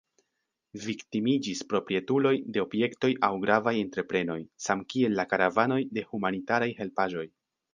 Viktimiĝis proprietuloj de objektoj aŭ gravaj entreprenoj samkiel la karavanoj de humanitaraj helpaĵoj.